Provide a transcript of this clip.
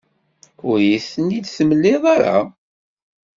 Ur iyi-ten-id-temliḍ ara.